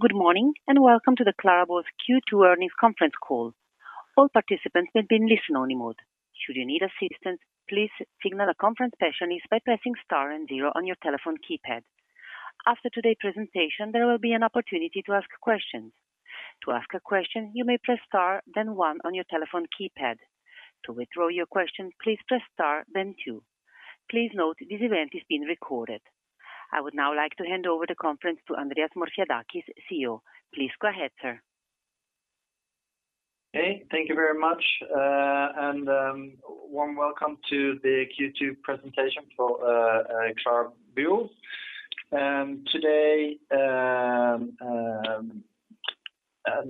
Good morning, and welcome to the KlaraBo Q2 Earnings Conference Call. All participants will be in listen-only mode. Should you need assistance, please signal a conference specialist by pressing Star and 0 on your telephone keypad. After today's presentation, there will be an opportunity to ask questions. To ask a question, you may press Star, then 1 on your telephone keypad. To withdraw your question, please press Star then 2. Please note this event is being recorded. I would now like to hand over the conference to Andreas Morfiadakis, CEO. Please go ahead, sir. Okay, thank you very much, and warm welcome to the Q2 presentation for KlaraBo. Today,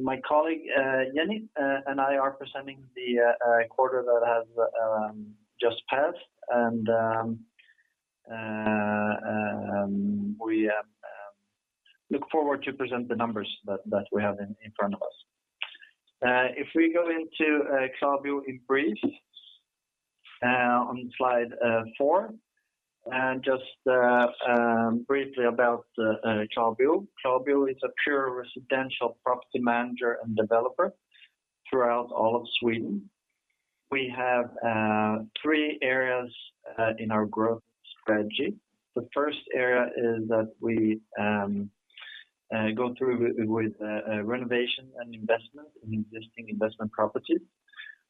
my colleague, Jenny, and I are presenting the quarter that has just passed. We look forward to present the numbers that we have in front of us. If we go into KlaraBo in brief, on slide 4 and just briefly about KlaraBo. KlaraBo is a pure residential property manager and developer throughout all of Sweden. We have three areas in our growth strategy. The first area is that we go through with a renovation and investment in existing investment properties.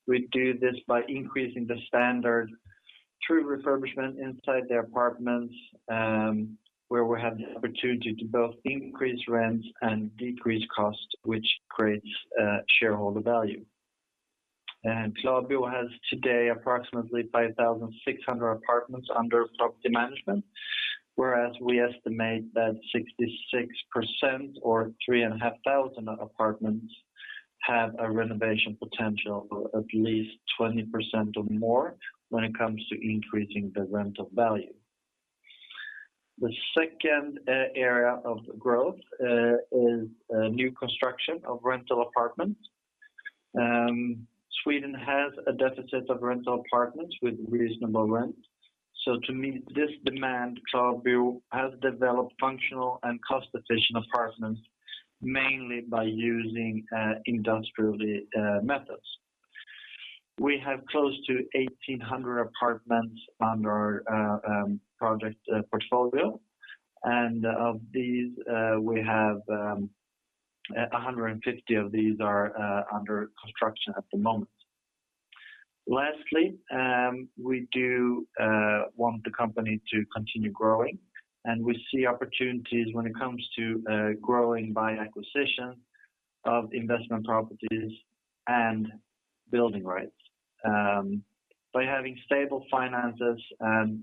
We do this by increasing the standard through refurbishment inside the apartments, where we have the opportunity to both increase rents and decrease costs, which creates shareholder value. KlaraBo has today approximately 5,600 apartments under property management, whereas we estimate that 66% or 3,500 apartments have a renovation potential of at least 20% or more when it comes to increasing the rental value. The second area of growth is new construction of rental apartments. Sweden has a deficit of rental apartments with reasonable rent. To meet this demand, KlaraBo has developed functional and cost-efficient apartments, mainly by using industrial methods. We have close to 1,800 apartments under our project portfolio. Of these, we have 150 under construction at the moment. Lastly, we do want the company to continue growing, and we see opportunities when it comes to growing by acquisition of investment properties and building rights. By having stable finances and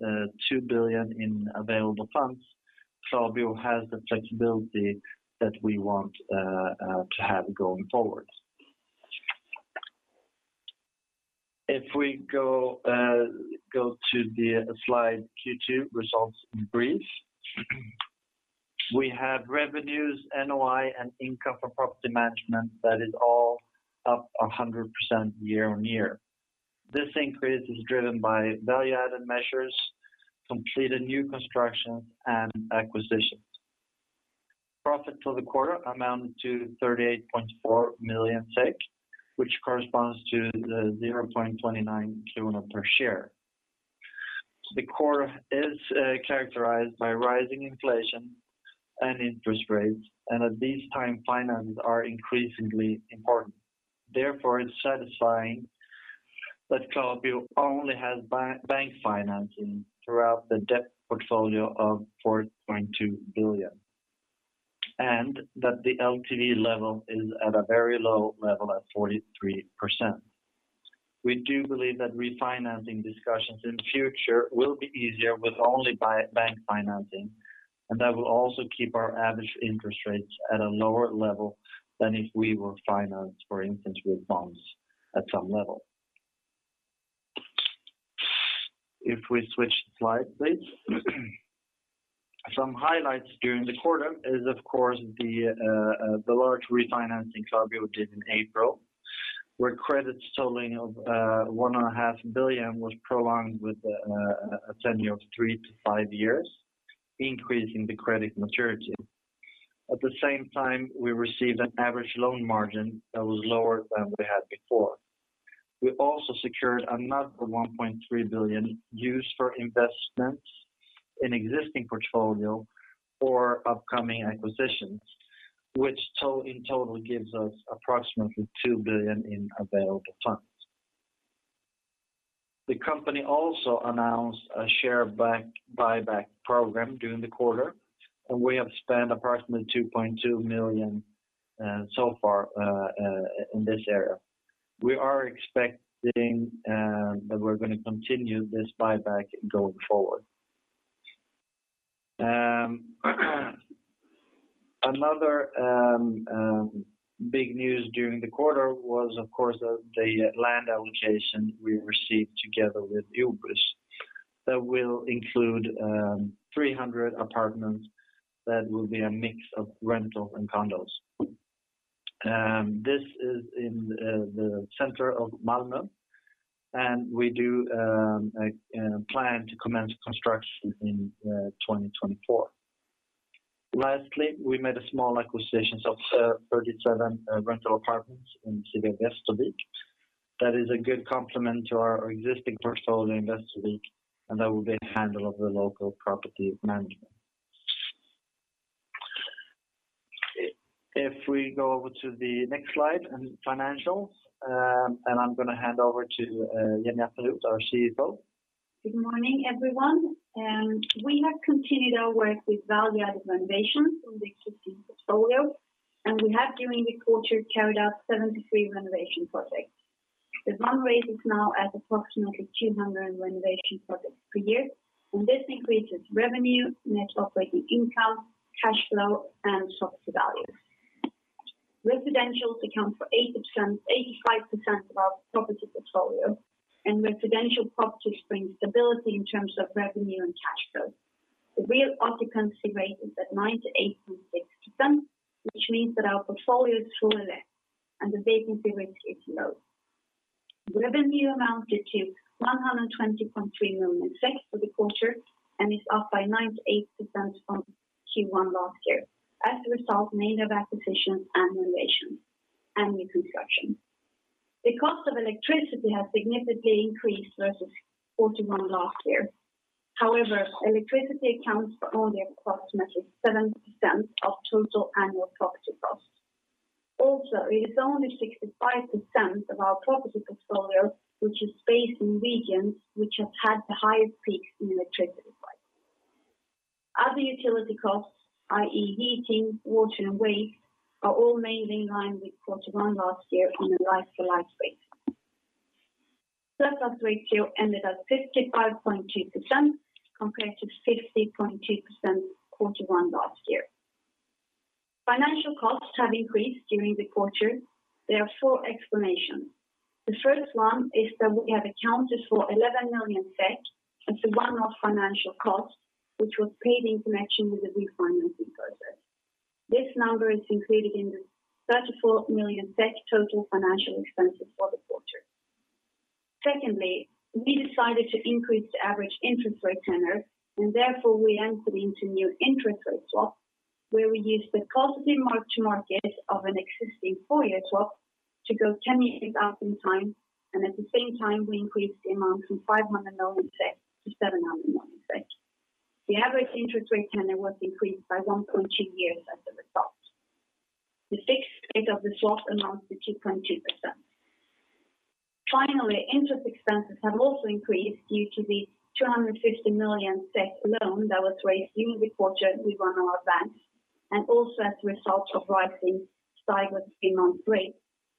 2 billion in available funds, KlaraBo has the flexibility that we want to have going forward. If we go to the slide Q2 results in brief. We have revenues, NOI and income for property management that is all up 100% year-on-year. This increase is driven by value-added measures, completed new construction and acquisitions. Profit for the quarter amounted to 38.4 million SEK, which corresponds to 0.29 krona per share. The quarter is characterized by rising inflation and interest rates, and at this time, finances are increasingly important. Therefore, it's satisfying that KlaraBo only has bank financing throughout the debt portfolio of 4.2 billion, and that the LTV level is at a very low level at 43%. We do believe that refinancing discussions in future will be easier with only by bank financing, and that will also keep our average interest rates at a lower level than if we were financed, for instance, with bonds at some level. If we switch the slide, please. Some highlights during the quarter is of course the large refinancing KlaraBo did in April, where credits totaling of 1.5 billion was prolonged with a tenure of 3-5 years, increasing the credit maturity. At the same time, we received an average loan margin that was lower than we had before. We also secured another 1.3 billion used for investments in existing portfolio for upcoming acquisitions, which in total gives us approximately 2 billion in available funds. The company also announced a share buyback program during the quarter, and we have spent approximately 2.2 million so far in this area. We are expecting that we're gonna continue this buyback going forward. Another big news during the quarter was of course the land allocation we received together with OBOS that will include 300 apartments that will be a mix of rental and condos. This is in the center of Malmö, and we do plan to commence construction in 2024. Lastly, we made a small acquisition of 37 rental apartments in the city of Österbymo. That is a good complement to our existing portfolio in Österbymo, and that will be handled by the local property management. If we go over to the next slide and financials, and I'm gonna hand over to Jenny Appenrodt, our CFO. Good morning, everyone. We have continued our work with value-added renovations on the existing portfolio, and we have, during the quarter, carried out 73 renovation projects. The run rate is now at approximately 200 renovation projects per year, and this increases revenue, net operating income, cash flow, and property value. Residentials account for 80%-85% of our property portfolio, and residential properties bring stability in terms of revenue and cash flow. The real occupancy rate is at 98.6%, which means that our portfolio is fully let and the vacancy rate is low. Revenue amounted to 120.3 million for the quarter and is up by 98% from Q1 last year as a result mainly of acquisitions and renovations and new construction. The cost of electricity has significantly increased versus Q1 last year. However, electricity accounts for only approximately 7% of total annual property costs. Also, it is only 65% of our property portfolio which is based in regions which have had the highest peaks in electricity price. Other utility costs, i.e., heating, water, and waste, are all mainly in line with quarter one last year on a like-for-like basis. Surplus ratio ended at 55.2% compared to 50.2% quarter one last year. Financial costs have increased during the quarter. There are four explanations. The first one is that we have accounted for 11 million SEK as a one-off financial cost which was paid in connection with the refinancing process. This number is included in the 34 million total financial expenses for the quarter. Secondly, we decided to increase the average interest rate tenor, and therefore we entered into new interest rate swap, where we used the positive mark to market of an existing four-year swap to go ten years out in time, and at the same time, we increased the amount from 500 million-700 million. The average interest rate tenor was increased by 1.2 years as a result. The fixed rate of the swap amounts to 2.2%. Finally, interest expenses have also increased due to the 250 million loan that was raised during the quarter with one of our banks, and also as a result of rising STIBOR three-month rate,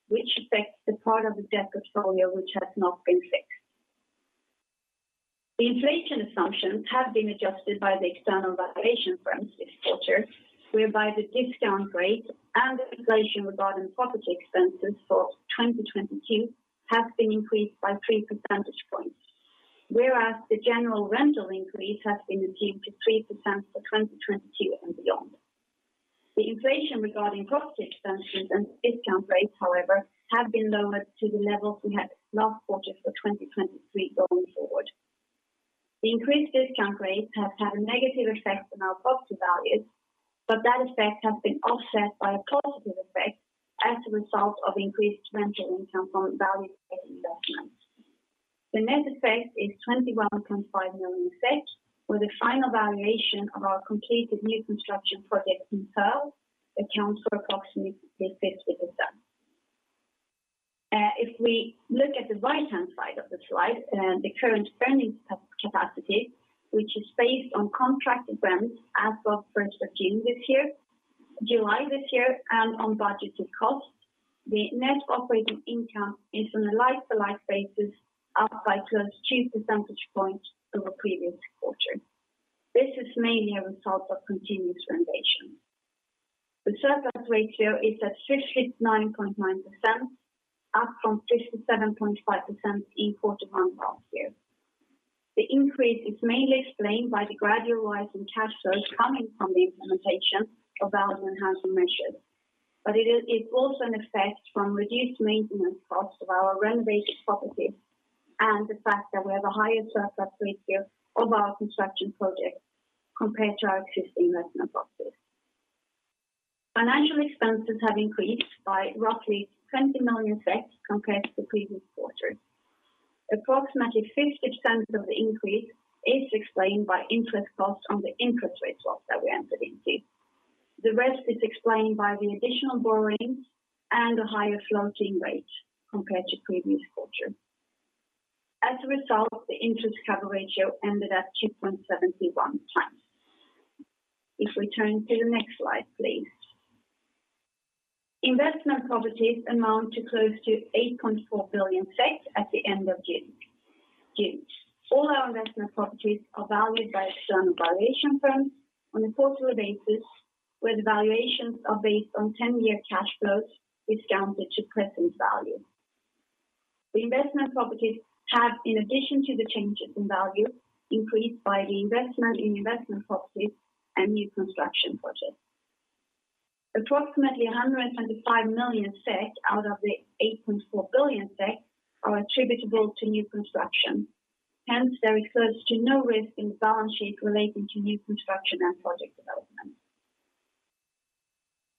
which affects the part of the debt portfolio which has not been fixed. The inflation assumptions have been adjusted by the external valuation firms this quarter, whereby the discount rate and the inflation regarding property expenses for 2022 have been increased by 3 percentage points. Whereas the general rental increase has been assumed to 3% for 2022 and beyond. The inflation regarding property expenses and discount rates, however, have been lowered to the levels we had last quarter for 2023 going forward. The increased discount rates have had a negative effect on our property values, but that effect has been offset by a positive effect as a result of increased rental income from value-add investments. The net effect is 21.5 million, where the final valuation of our completed new construction project in Perstorp accounts for approximately 50%. If we look at the right-hand side of the slide, the current earnings capacity, which is based on contracted rents as of first of July this year and on budgeted costs, the net operating income is on a like-for-like basis, up by close to 2 percentage points over previous quarter. This is mainly a result of continuous renovation. The surplus ratio is at 59.9%, up from 57.5% in quarter one last year. The increase is mainly explained by the gradual rise in cash flows coming from the implementation of value enhancement measures. It is also an effect from reduced maintenance costs of our renovated properties and the fact that we have a higher surplus ratio of our construction projects compared to our existing investment properties. Financial expenses have increased by roughly 20 million compared to previous quarter. Approximately 50% of the increase is explained by interest costs on the interest rate swaps that we entered into. The rest is explained by the additional borrowing and a higher floating rate compared to previous quarter. As a result, the interest cover ratio ended at 2.71 times. If we turn to the next slide, please. Investment properties amount to close to 8.4 billion at the end of June. All our investment properties are valued by external valuation firms on a quarterly basis, where the valuations are based on 10-year cash flows discounted to present value. The investment properties have, in addition to the changes in value, increased by the investment in investment properties and new construction projects. Approximately 125 million out of the 8.4 billion are attributable to new construction. Hence, there is close to no risk in the balance sheet relating to new construction and project development.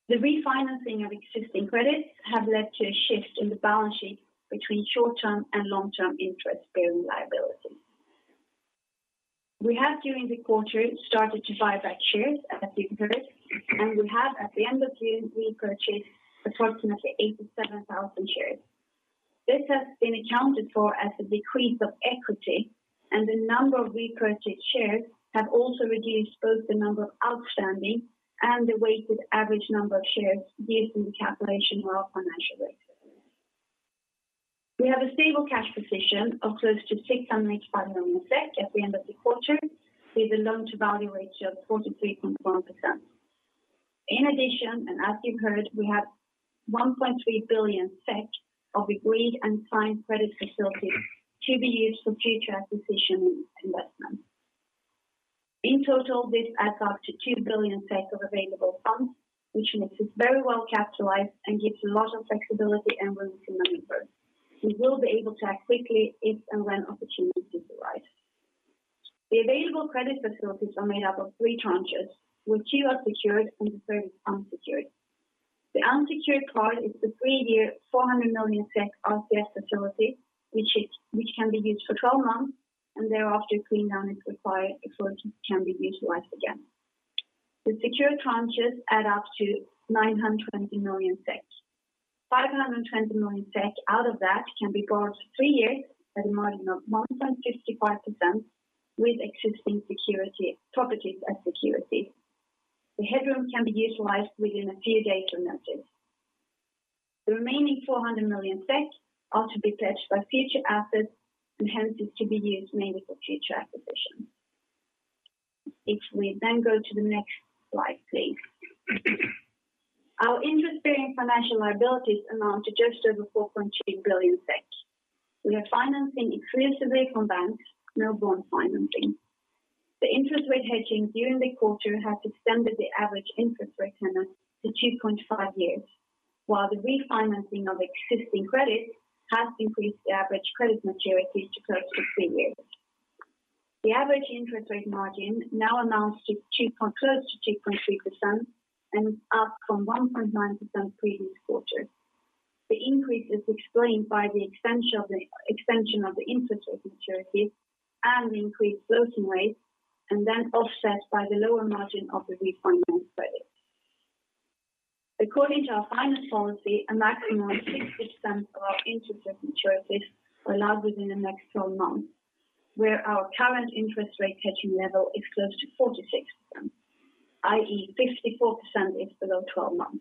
The refinancing of existing credits have led to a shift in the balance sheet between short-term and long-term interest-bearing liabilities. We have, during the quarter, started to buy back shares as you've heard, and we have at the end of June repurchased approximately 87,000 shares. This has been accounted for as a decrease of equity, and the number of repurchased shares have also reduced both the number of outstanding and the weighted average number of shares used in the calculation of our financial ratio. We have a stable cash position of close to 605 million SEK at the end of the quarter, with a loan-to-value ratio of 43.1%. In addition, and as you've heard, we have 1.3 billion of agreed and signed credit facilities to be used for future acquisition investment. In total, this adds up to 2 billion of available funds, which makes us very well capitalized and gives a lot of flexibility and room to maneuver. We will be able to act quickly if and when opportunities arise. The available credit facilities are made up of three tranches, which two are secured and the third is unsecured. The unsecured part is the three-year 400 million SEK RCF facility, which can be used for 12 months and thereafter cleaned down if required, shortages can be utilized again. The secured tranches add up to 920 million SEK. 520 million SEK out of that can be borrowed for three years at a margin of 1.55% with existing security, properties as security. The headroom can be utilized within a few days of notice. The remaining 400 million SEK are to be pledged by future assets, and hence is to be used mainly for future acquisitions. If we then go to the next slide, please. Our interest-bearing financial liabilities amount to just over 4.2 billion. We are financing exclusively from banks, no bond financing. The interest rate hedging during the quarter has extended the average interest rate tenor to 2.5 years, while the refinancing of existing credits has increased the average credit maturity to close to three years. The average interest rate margin now amounts to close to 2.3% and up from 1.9% previous quarter. The increase is explained by the extension of the interest rate maturities and the increased floating rates, and then offset by the lower margin of the refinanced credit. According to our finance policy, a maximum of 60% of our interest rate maturities are allowed within the next 12 months, where our current interest rate hedging level is close to 46%, i.e., 54% is below 12 months.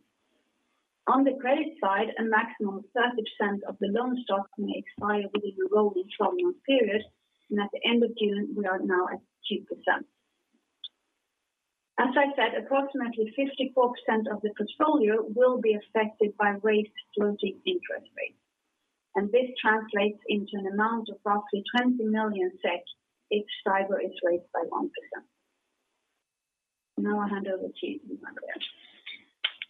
On the credit side, a maximum of 30% of the loan stock may expire within a rolling 12-month period, and at the end of June, we are now at 2%. As I said, approximately 54% of the portfolio will be affected by floating rate interest rates. This translates into an amount of roughly 20 million SEK if STIBOR is raised by 1%. Now I hand over to you, Andreas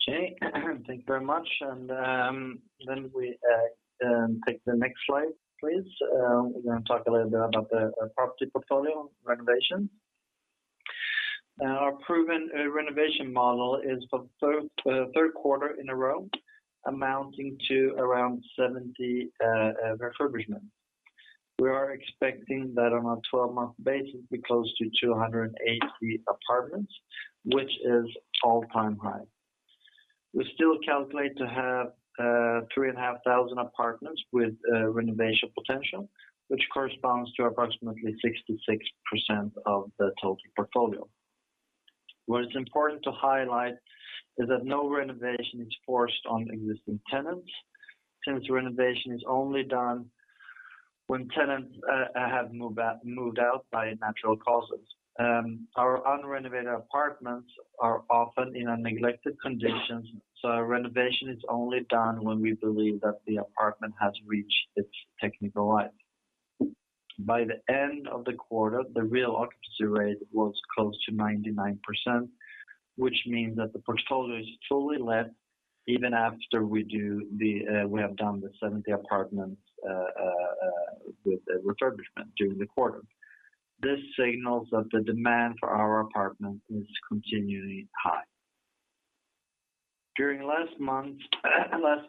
Morfiadakis. Okay. Thank you very much. Then we take the next slide, please. We're gonna talk a little bit about the property portfolio renovation. Our proven renovation model is for third quarter in a row amounting to around 70 refurbishment. We are expecting that on a 12-month basis, we're close to 280 apartments, which is all-time high. We still calculate to have 3,500 apartments with renovation potential, which corresponds to approximately 66% of the total portfolio. What is important to highlight is that no renovation is forced on existing tenants since renovation is only done when tenants have moved out, moved out by natural causes. Our unrenovated apartments are often in a neglected condition, so a renovation is only done when we believe that the apartment has reached its technical life. By the end of the quarter, the real occupancy rate was close to 99%, which means that the portfolio is fully let even after we have done the 70 apartments with a refurbishment during the quarter. This signals that the demand for our apartments is continually high. During last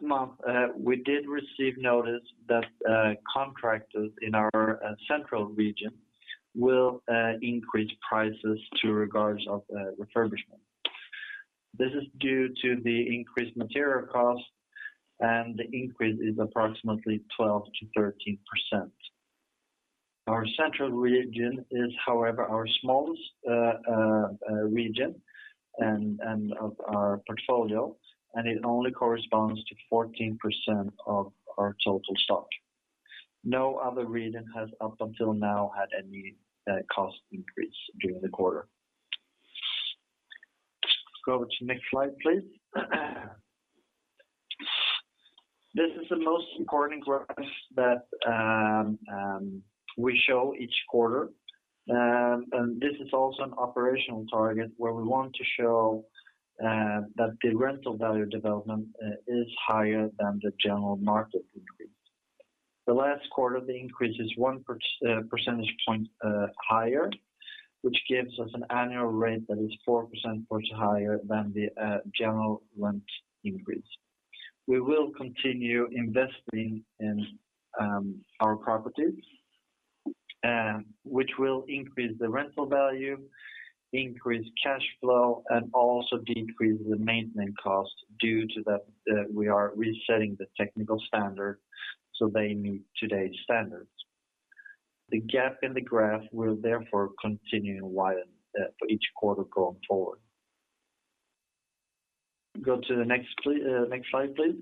month, we did receive notice that contractors in our central region will increase prices with regard to refurbishment. This is due to the increased material costs, and the increase is approximately 12%-13%. Our central region is, however, our smallest region and of our portfolio, and it only corresponds to 14% of our total stock. No other region has up until now had any cost increase during the quarter. Go to the next slide, please. This is the most important graph that we show each quarter. This is also an operational target where we want to show that the rental value development is higher than the general market increase. Last quarter, the increase is one percentage point higher, which gives us an annual rate that is 4% much higher than the general rent increase. We will continue investing in our properties, which will increase the rental value, increase cash flow, and also decrease the maintenance costs due to that we are resetting the technical standard so they meet today's standards. The gap in the graph will therefore continue to widen for each quarter going forward. Go to the next slide, please.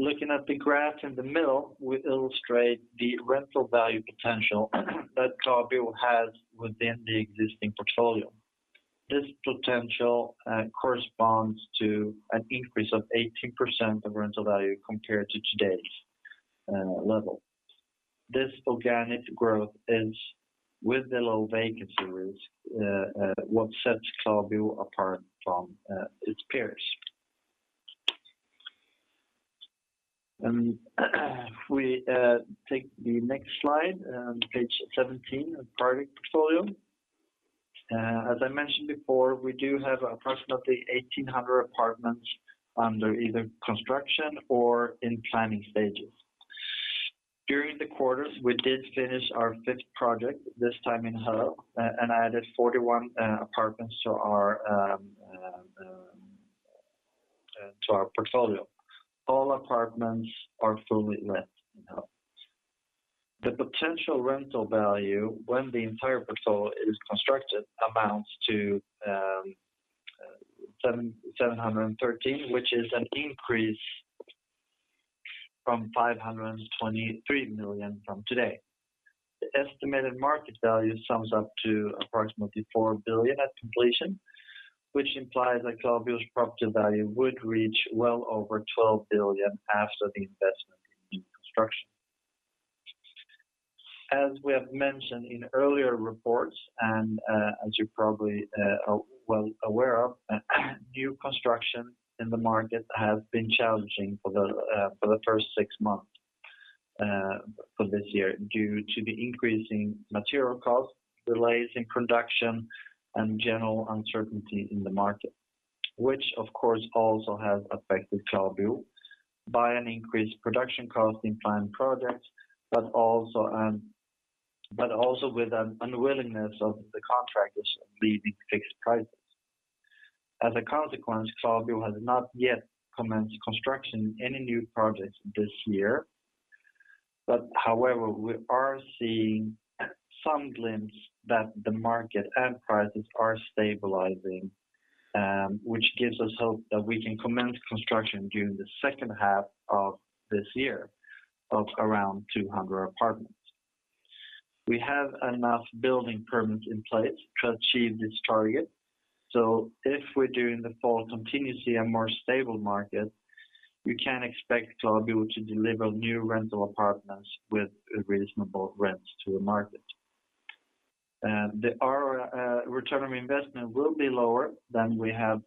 Looking at the graph in the middle will illustrate the rental value potential that KlaraBo has within the existing portfolio. This potential corresponds to an increase of 18% of rental value compared to today's level. This organic growth is with the low vacancy risk, what sets KlaraBo apart from its peers. If we take the next slide, page 17, project portfolio. As I mentioned before, we do have approximately 1,800 apartments under either construction or in planning stages. During the quarter, we did finish our fifth project, this time in Härlöv, and added 41 apartments to our portfolio. All apartments are fully let now. The potential rental value when the entire portfolio is constructed amounts to 713 million, which is an increase from 523 million from today. The estimated market value sums up to approximately 4 billion at completion, which implies that KlaraBo's property value would reach well over 12 billion after the investment in construction. As we have mentioned in earlier reports and, as you're probably, well aware of, new construction in the market has been challenging for the first six months of this year due to the increasing material costs, delays in production, and general uncertainty in the market, which of course also has affected KlaraBo by an increased production cost in planned projects, but also with an unwillingness of the contractors to leave fixed prices. As a consequence, KlaraBo has not yet commenced construction in any new projects this year. However, we are seeing some glimpse that the market and prices are stabilizing, which gives us hope that we can commence construction during the second half of this year of around 200 apartments. We have enough building permits in place to achieve this target. If we during the fall continue to see a more stable market, we can expect KlaraBo to deliver new rental apartments with reasonable rents to the market. Our return on investment will be lower than we have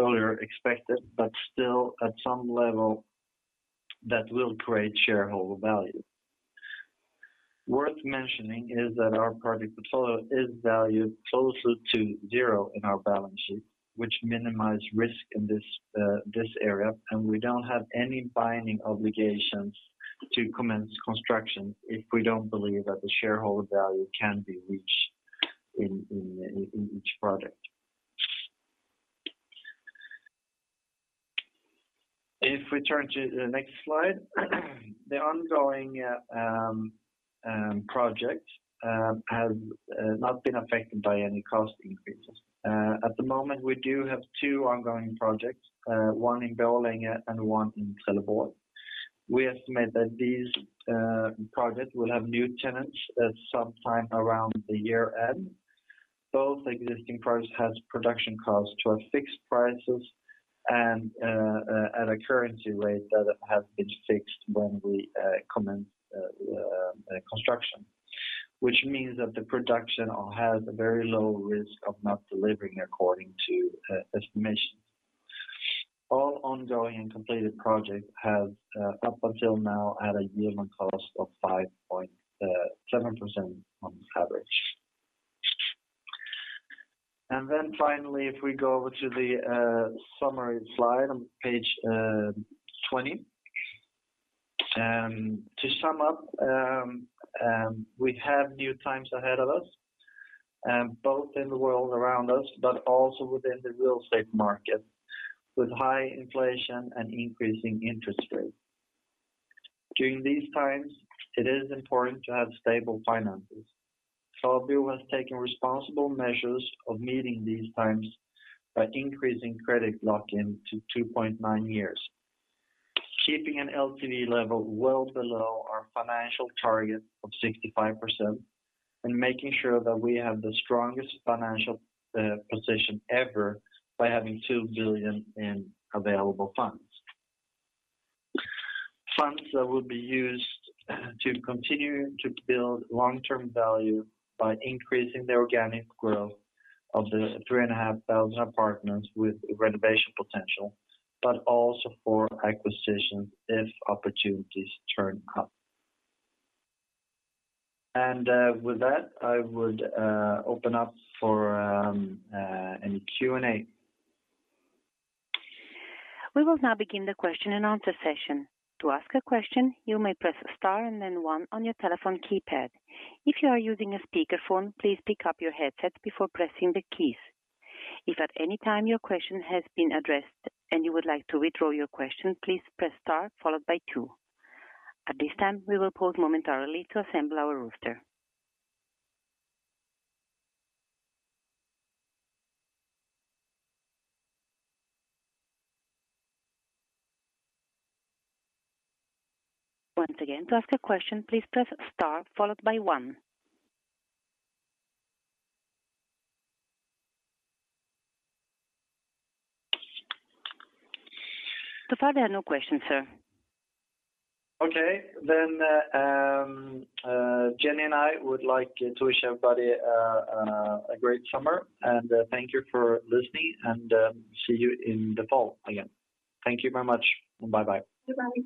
earlier expected, but still at some level that will create shareholder value. Worth mentioning is that our project portfolio is valued closer to zero in our balance sheet, which minimize risk in this area, and we don't have any binding obligations to commence construction if we don't believe that the shareholder value can be reached in each project. If we turn to the next slide. The ongoing project has not been affected by any cost increases. At the moment, we do have two ongoing projects, one in Borlänge and one in Trelleborg. We estimate that these projects will have new tenants at sometime around the year-end. Both existing projects has production costs to our fixed prices and at a currency rate that has been fixed when we commenced construction. Which means that the production all has a very low risk of not delivering according to estimation. All ongoing and completed projects have up until now had a yield on cost of 5.7% on average. Finally, if we go over to the summary slide on page 20. To sum up, we have new times ahead of us both in the world around us, but also within the real estate market with high inflation and increasing interest rates. During these times, it is important to have stable finances. KlaraBo has taken responsible measures of meeting these times by increasing credit lock-in to 2.9 years. Keeping an LTV level well below our financial target of 65% and making sure that we have the strongest financial position ever by having 2 billion in available funds. Funds that will be used to continue to build long-term value by increasing the organic growth of the 3,500 apartments with renovation potential, but also for acquisition if opportunities turn up. With that, I would open up for any Q&A. We will now begin the question and answer session. To ask a question, you may press star and then 1 on your telephone keypad. If you are using a speakerphone, please pick up your headset before pressing the keys. If at any time your question has been addressed and you would like to withdraw your question, please press star followed by 2. At this time, we will pause momentarily to assemble our roster. Once again, to ask a question, please press star followed by 1. So far there are no questions, sir. Okay. Jenny and I would like to wish everybody a great summer, and thank you for listening, and see you in the fall again. Thank you very much. Bye-bye. Bye-bye.